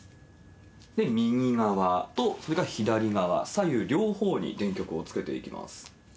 右側と、それから左側、左右両方に電極をつけていきます。